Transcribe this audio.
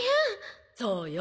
そうよ。